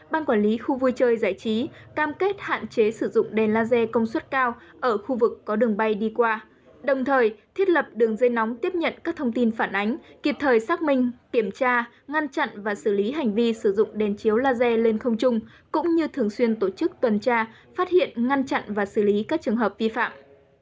ban quản lý khu vui chơi giải trí cam kết hạn chế sử dụng đèn laser công suất cao ở khu vực có đường bay đi qua đồng thời thiết lập đường dây nóng tiếp nhận các thông tin phản ánh kịp thời xác minh kiểm tra ngăn chặn và xử lý hành vi sử dụng đèn chiếu laser lên không trung cũng như thường xuyên tổ chức tuần tra phát hiện ngăn chặn và xử lý các trường hợp vi phạm